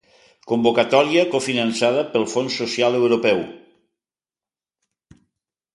Convocatòria cofinançada pel Fons Social Europeu.